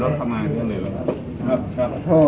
สวัสดีทุกคน